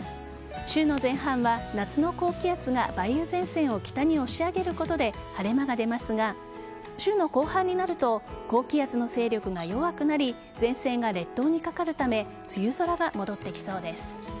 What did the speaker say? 週の前半は、夏の高気圧が梅雨前線を北に押し上げることで晴れ間が出ますが週の後半になると高気圧の勢力が弱くなり前線が列島にかかるため梅雨空が戻ってきそうです。